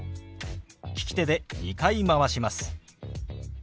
利き手で２回回します。